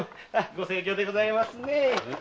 ご盛況でございますねえ。